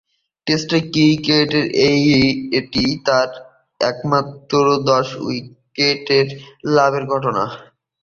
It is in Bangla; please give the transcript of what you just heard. টেস্ট ক্রিকেটে এটিই তাঁর একমাত্র দশ উইকেট লাভের ঘটনা।